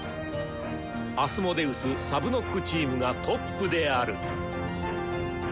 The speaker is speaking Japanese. アスモデウスサブノックチームがトップである！